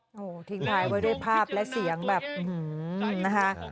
โอ้โหทิ้งท้ายไว้ด้วยภาพและเสียงแบบนะคะ